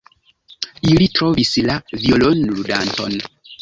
Ili trovis la violonludanton.